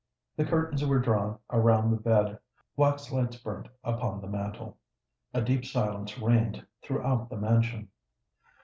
The curtains were drawn around the bed: waxlights burnt upon the mantel. A deep silence reigned throughout the mansion.